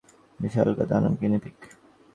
বিশালাকার দানব গিনিপিগ।